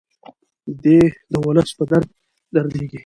دی د ولس په درد دردیږي.